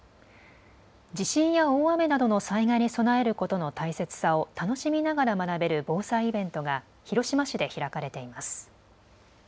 地震や大雨などの災害に備えることの大切さを楽しみながら学べる防災イベントが広島市で開かれています。